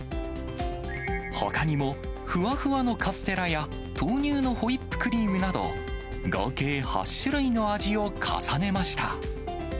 ほかにもふわふわのカステラや豆乳のホイップクリームなど、合計８種類の味を重ねました。